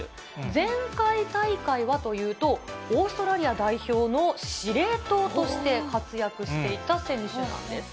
前回大会はというと、オーストラリア代表の司令塔として活躍していた選手なんです。